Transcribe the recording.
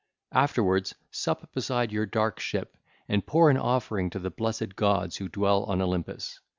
Afterwards, sup beside your dark ship and pour an offering to the blessed gods who dwell on Olympus.